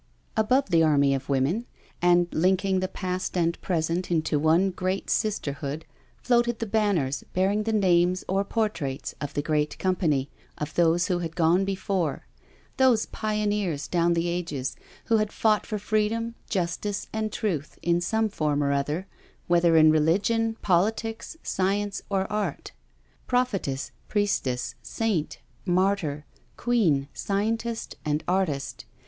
Above the army of women, and linking past and present into one great Sisterhood, floated the banners bearing the names or portraits of the great company of those who had gone before — those pioneers down the ages who had fought for Freedom, Justice, and Truth in some form or other, whether in religion, politics, science or art. Prophetess, Priestess, Saint, Martyr, Queen, Scientist and Artist.